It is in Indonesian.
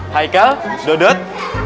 hai kal dodot